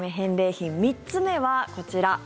品３つ目はこちら。